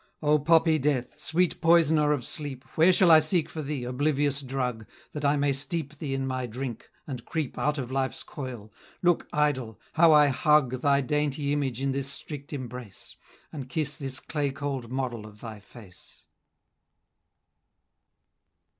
"O poppy Death! sweet poisoner of sleep; Where shall I seek for thee, oblivious drug, That I may steep thee in my drink, and creep Out of life's coil? Look, Idol! how I hug Thy dainty image in this strict embrace, And kiss this clay cold model of thy face!"